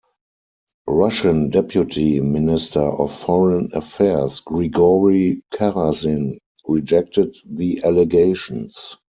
Russian Deputy Minister of Foreign Affairs Grigory Karasin rejected the allegations.